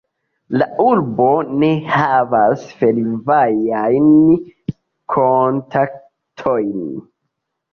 La urbo ne havas fervojajn kontaktojn.